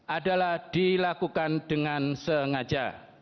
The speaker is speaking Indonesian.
adalah dilakukan dengan sengaja